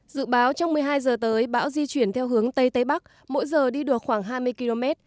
dự báo trong một mươi hai h tới bão di chuyển theo hướng tây tây bắc mỗi giờ đi được khoảng hai mươi km